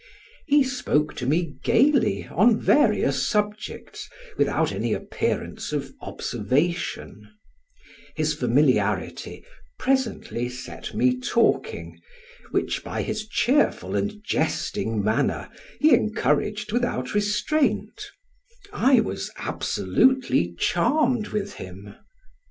He spoke to me gayly, on various subjects, without any appearance of observation; his familiarity presently set me talking, which by his cheerful and jesting manner he encouraged without restraint I was absolutely charmed with him.